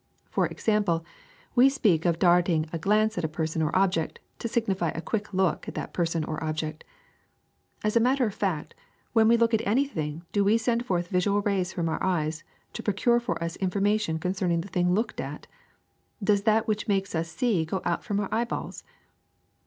For example, we speak of darting a glance at a person or object, to signify a quick look at that person or object. ^^As a matter of fact, when we look at anything do we send forth visual rays from our eyes to procure for us information concerning the thing looked at? Does that which makes us see go out from our eye balls?